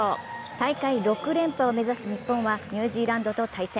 大会６連覇を目指す日本はニュージーランドと対戦。